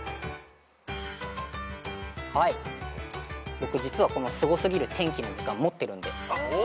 僕実は『すごすぎる天気の図鑑』持ってるんで。